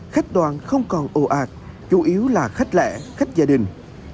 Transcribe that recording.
khách đoàn không còn ồ ạt chủ yếu là khách lẻ khách gia đình